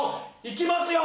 いきますよ！